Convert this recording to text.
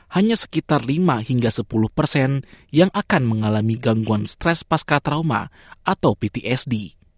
hanya sekitar lima hingga sepuluh yang akan mengalami gangguan stres pasca trauma atau ptsd